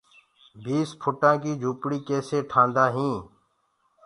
بِيس ڦُٽآنٚ ڪي جُهوپڙي ڪيسي ٺآندآ هينٚ۔